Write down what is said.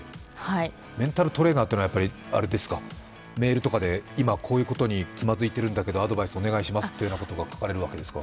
メンタルトレーナーっていうのはメールとかで今、こういうことにつまずいているんだけどアドバイスお願いしますというようなことが聞かれるわけですか？